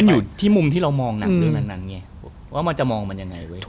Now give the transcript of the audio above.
อยู่ที่มุมที่เรามองหนักเรื่องนั้นไงว่ามันจะมองมันยังไงเว้ย